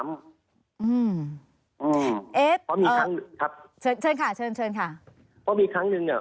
เพราะว่าอีกครั้งนึง